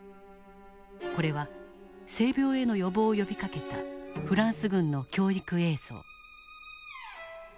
これは性病への予防を呼びかけたフランス軍の教育映像。